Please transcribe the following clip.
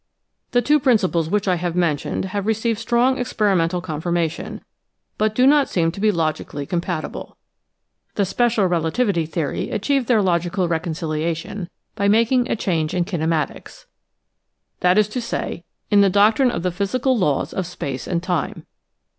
The two principles which I have mentioned have re ceived strong experimental confirmation, but do not seem to be logically compatible. The special relativity theory achieved their logical reconciliation by making a change in kinematics, that is to say, in the doctrine of the physi 112 EASY LESSONS IN EINSTEIN cal laws of space and time.